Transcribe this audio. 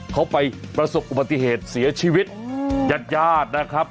เขาไปประสบอุบัติเหตุเสียชีวิตญาติญาตินะครับ